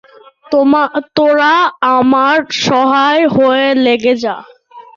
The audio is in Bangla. তোরা আমার সহায় হয়ে লেগে যা।